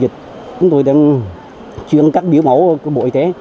chúng tôi đang chuyển các biểu mẫu của bộ y tế